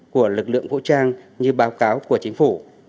của lực lượng vũ trang như báo cáo của chính phủ